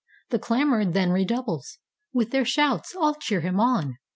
The clamor then redoubles; with their shouts All cheer him on.